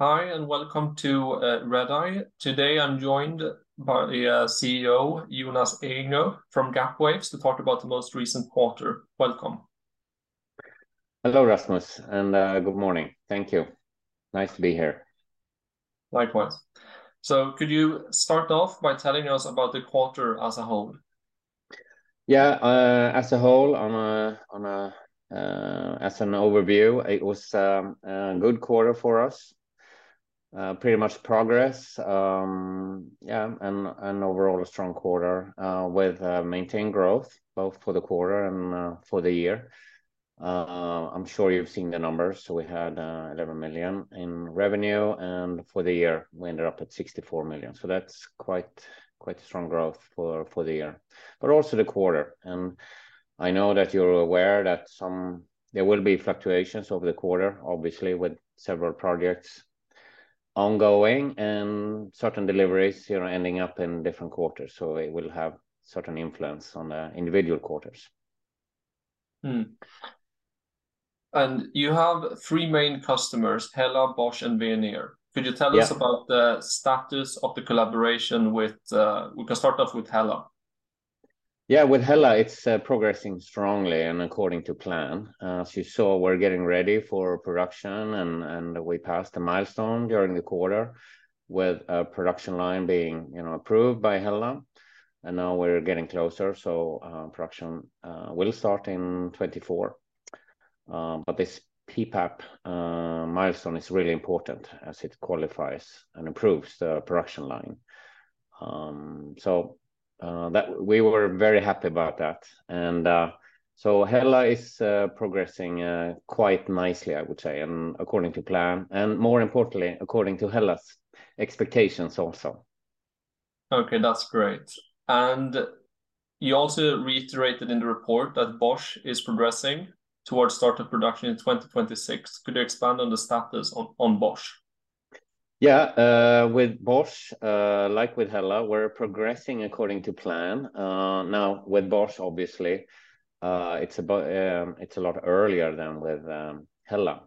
Hi, and welcome to Redeye. Today I'm joined by the CEO, Jonas Ehinger from Gapwaves, to talk about the most recent quarter. Welcome. Hello, Rasmus, and good morning. Thank you. Nice to be here. Likewise. Could you start off by telling us about the quarter as a whole? Yeah, as a whole on a, as an overview, it was a good quarter for us. Pretty much progress, yeah, and overall a strong quarter, with maintained growth both for the quarter and for the year. I'm sure you've seen the numbers. We had 11 million in revenue, and for the year we ended up at 64 million. That's quite strong growth for the year, but also the quarter. I know that you're aware that there will be fluctuations over the quarter, obviously with several projects ongoing and certain deliveries, you're ending up in different quarters. It will have certain influence on the individual quarters. You have three main customers, HELLA, Bosch and Veoneer. Yeah. Could you tell us about the status of the collaboration with? We can start off with HELLA. Yeah. With HELLA, it's progressing strongly and according to plan. As you saw, we're getting ready for production and we passed a milestone during the quarter with a production line being, you know, approved by HELLA. Now we're getting closer, production will start in 2024. This PPAP milestone is really important as it qualifies and approves the production line. That we were very happy about that. HELLA is progressing quite nicely, I would say, and according to plan, and more importantly, according to HELLA's expectations also. Okay, that's great. You also reiterated in the report that Bosch is progressing towards start of production in 2026. Could you expand on the status on Bosch? Yeah. With Bosch, like with HELLA, we're progressing according to plan. Now with Bosch obviously, it's about, it's a lot earlier than with HELLA,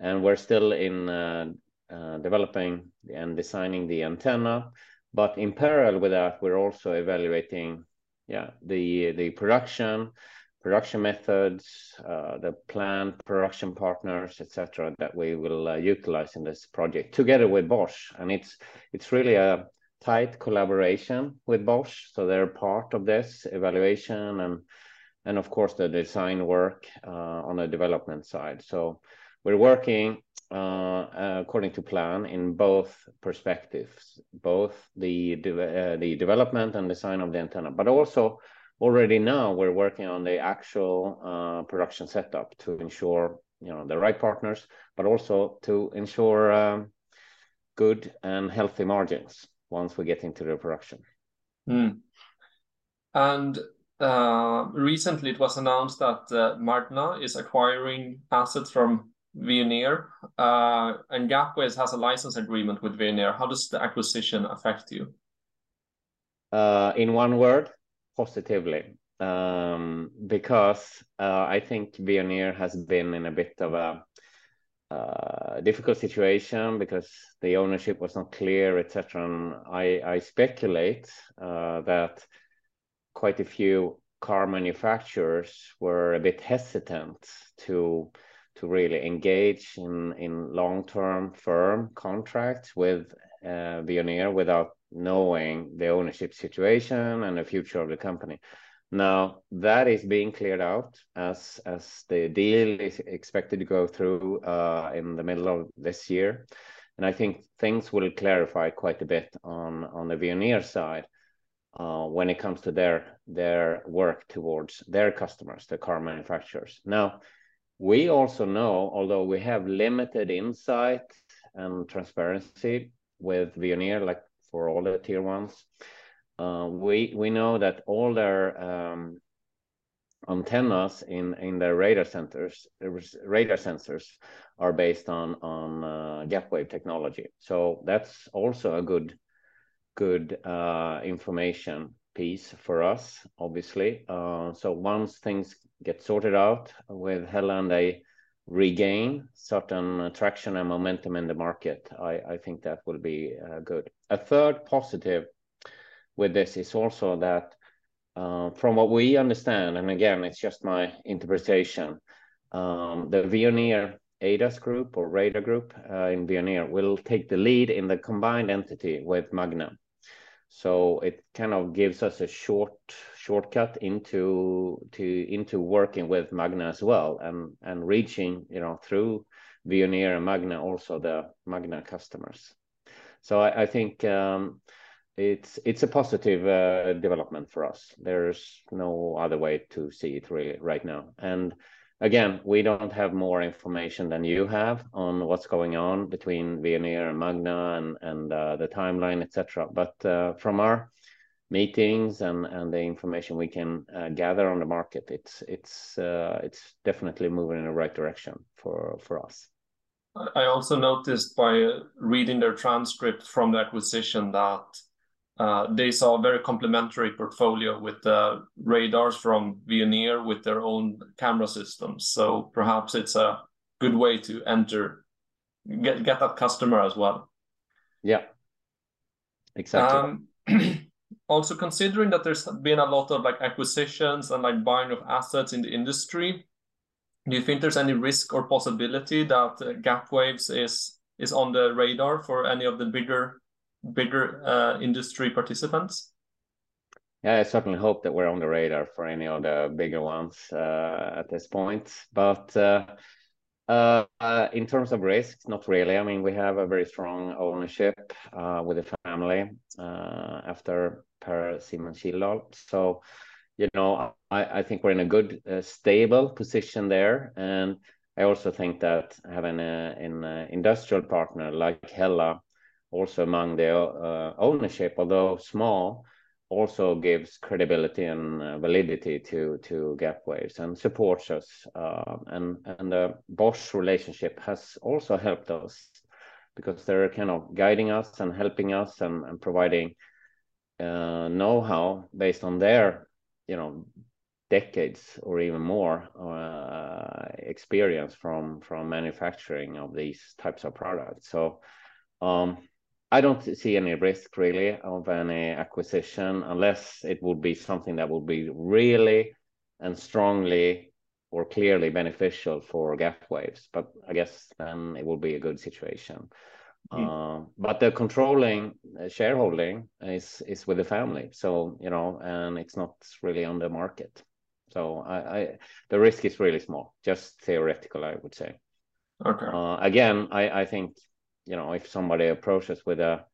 and we're still in developing and designing the antenna. In parallel with that, we're also evaluating, yeah, the production methods, the plant production partners, et cetera, that we will utilize in this project together with Bosch. It's really a tight collaboration with Bosch, so they're part of this evaluation and of course the design work on the development side. We're working according to plan in both perspectives, both the development and design of the antenna. Also already now we're working on the actual production setup to ensure, you know, the right partners, but also to ensure good and healthy margins once we get into the production. Recently it was announced that Magna is acquiring assets from Veoneer, and Gapwaves has a license agreement with Veoneer. How does the acquisition affect you? In one word, positively. Because I think Veoneer has been in a bit of a difficult situation because the ownership was not clear, et cetera. I speculate that quite a few car manufacturers were a bit hesitant to really engage in long-term firm contracts with Veoneer without knowing the ownership situation and the future of the company. Now, that is being cleared out as the deal is expected to go through in the middle of this year. I think things will clarify quite a bit on the Veoneer side when it comes to their work towards their customers, the car manufacturers. We also know, although we have limited insight and transparency with Veoneer, like for all the Tier 1s, we know that all their antennas in their radar sensors are based on Gapwaves technology. That's also a good information piece for us obviously. Once things get sorted out with HELLA and they regain certain traction and momentum in the market, I think that will be good. A third positive with this is also that, from what we understand, and again, it's just my interpretation, the Veoneer ADAS group or radar group in Veoneer will take the lead in the combined entity with Magna. It kind of gives us a shortcut into working with Magna as well and reaching, you know, through Veoneer and Magna, also the Magna customers. I think it's a positive development for us. There's no other way to see it really right now. Again, we don't have more information than you have on what's going on between Veoneer and Magna and the timeline, et cetera. From our meetings and the information we can gather on the market, it's definitely moving in the right direction for us. I also noticed by reading their transcript from the acquisition that they saw a very complimentary portfolio with the radars from Veoneer with their own camera systems. Perhaps it's a good way to enter, get that customer as well. Yeah. Exactly. Also considering that there's been a lot of, like, acquisitions and, like, buying of assets in the industry, do you think there's any risk or possibility that Gapwaves is on the radar for any of the bigger industry participants? Yeah, I certainly hope that we're on the radar for any of the bigger ones at this point. In terms of risks, not really. I mean, we have a very strong ownership with the family after Per-Simon Kildal. You know, I think we're in a good, stable position there. I also think that having an industrial partner like HELLA also among the ownership, although small, also gives credibility and validity to Gapwaves and supports us. And the Bosch relationship has also helped us because they're kind of guiding us and helping us and providing know-how based on their, you know, decades or even more experience from manufacturing of these types of products. I don't see any risk really of any acquisition, unless it would be something that would be really and strongly or clearly beneficial for Gapwaves, but I guess then it would be a good situation. Mm-hmm. The controlling shareholding is with the family, you know. It's not really on the market. The risk is really small, just theoretical, I would say. Okay. Again, I think, you know, if somebody approaches with a,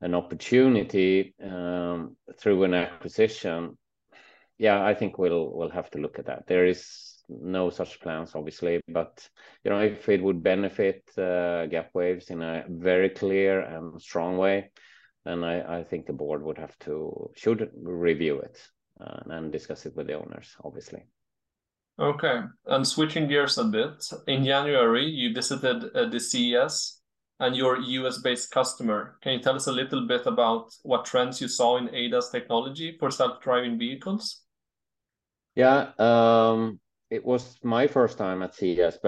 an opportunity, through an acquisition, yeah, I think we'll have to look at that. There is no such plans obviously, but, you know, if it would benefit Gapwaves in a very clear and strong way, then I think the board would have to, should review it and discuss it with the owners obviously. Okay. Switching gears a bit, in January, you visited, the CES and your U.S.-based customer. Can you tell us a little bit about what trends you saw in ADAS technology for self-driving vehicles? Yeah. It was my first time at CES,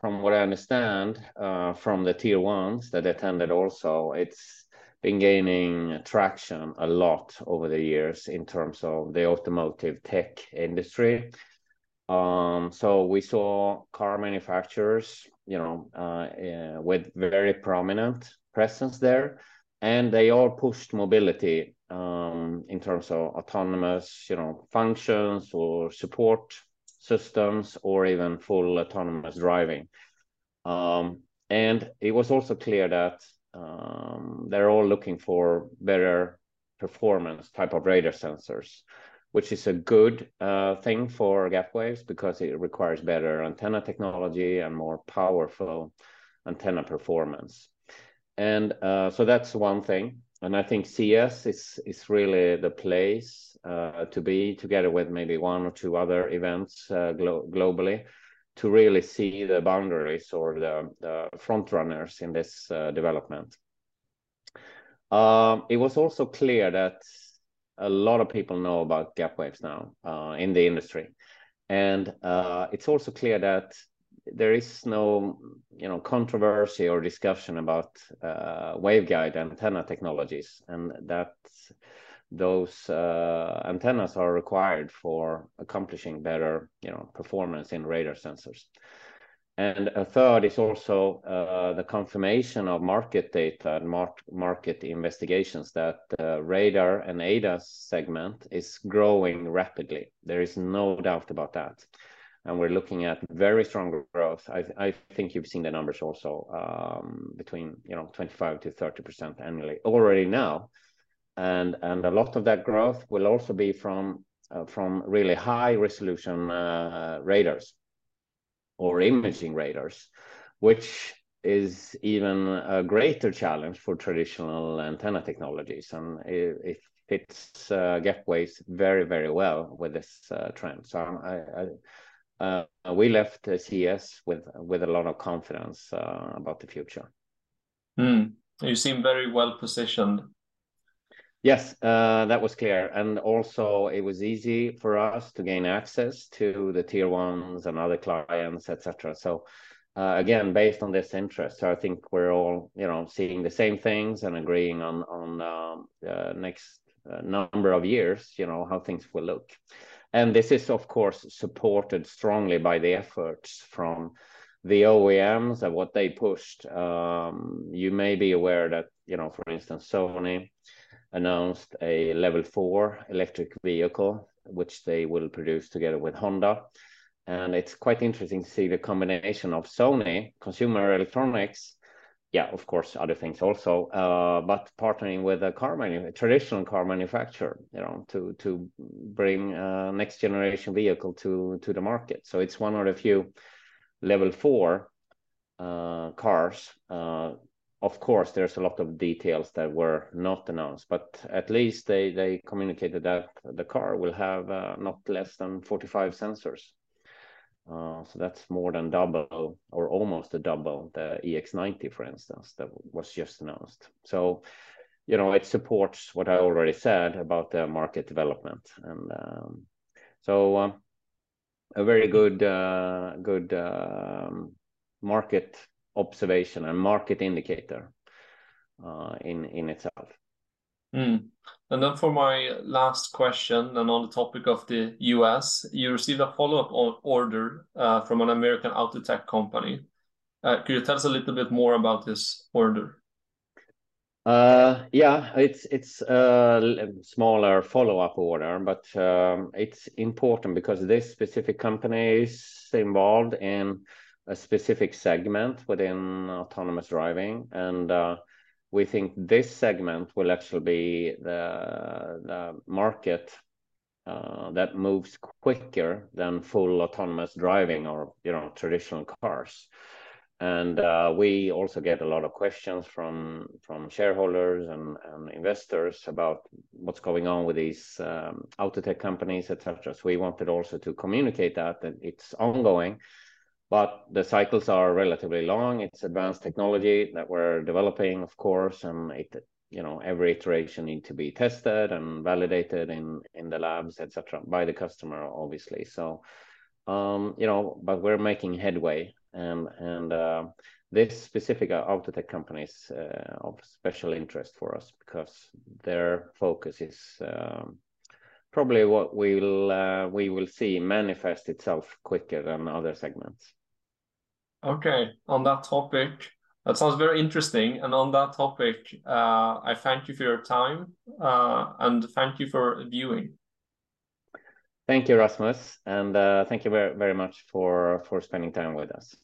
from what I understand, from the Tier 1s that attended also, it's been gaining traction a lot over the years in terms of the automotive tech industry. We saw car manufacturers, you know, with very prominent presence there, and they all pushed mobility, in terms of autonomous, you know, functions or support systems or even full autonomous driving. It was also clear that they're all looking for better performance type of radar sensors, which is a good thing for Gapwaves because it requires better antenna technology and more powerful antenna performance. So that's one thing. I think CES is really the place to be together with maybe one or two other events globally to really see the boundaries or the front runners in this development. It was also clear that a lot of people know about Gapwaves now in the industry. It's also clear that there is no, you know, controversy or discussion about waveguide antenna technologies, and that those antennas are required for accomplishing better, you know, performance in radar sensors. A third is also the confirmation of market data and market investigations that radar and ADAS segment is growing rapidly. There is no doubt about that, and we're looking at very strong growth. I think you've seen the numbers also, between, you know, 25%-30% annually already now. A lot of that growth will also be from really high-resolution radars or imaging radars, which is even a greater challenge for traditional antenna technologies. It fits Gapwaves very well with this trend. We left CES with a lot of confidence about the future. You seem very well-positioned. Yes. That was clear. Also it was easy for us to gain access to the Tier 1s and other clients, etc. Again, based on this interest, I think we're all, you know, seeing the same things and agreeing on next number of years, you know, how things will look. This is of course supported strongly by the efforts from the OEMs and what they pushed. You may be aware that, you know, for instance, Sony announced a Level 4 electric vehicle, which they will produce together with Honda. It's quite interesting to see the combination of Sony consumer electronics, yeah, of course, other things also, but partnering with a car manufacturer, you know, to bring a next generation vehicle to the market. It's one of the few Level 4 cars. Of course, there's a lot of details that were not announced, but at least they communicated that the car will have not less than 45 sensors. That's more than double or almost a double the EX90, for instance, that was just announced. You know, it supports what I already said about the market development. A very good, market observation and market indicator in itself. For my last question and on the topic of the U.S., you received a follow-up order from an American auto tech company. Could you tell us a little bit more about this order? Yeah. It's, it's a smaller follow-up order, but it's important because this specific company is involved in a specific segment within autonomous driving and we think this segment will actually be the market that moves quicker than full autonomous driving or, you know, traditional cars. We also get a lot of questions from shareholders and investors about what's going on with these auto tech companies, et cetera. We wanted also to communicate that it's ongoing, but the cycles are relatively long. It's advanced technology that we're developing, of course, and it... You know, every iteration need to be tested and validated in the labs, et cetera, by the customer obviously. You know, but we're making headway, and this specific auto tech company is of special interest for us because their focus is probably what we'll we will see manifest itself quicker than other segments. Okay. On that topic, that sounds very interesting. On that topic, I thank you for your time and thank you for viewing. Thank you, Rasmus, and thank you very much for spending time with us.